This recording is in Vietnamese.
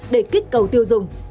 để kích cầu tiêu dùng